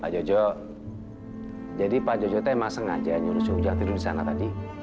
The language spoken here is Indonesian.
pak jojo jadi pak jojo itu emang sengaja nyuruh suhoja tidur disana tadi